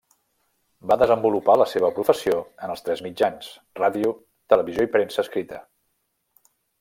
Va desenvolupar la seva professió en els tres mitjans: ràdio, televisió i premsa escrita.